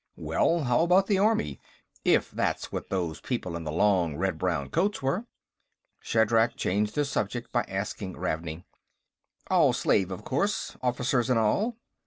"Well, how about the army, if that's what those people in the long red brown coats were?" Shatrak changed the subject by asking Ravney. "All slave, of course, officers and all.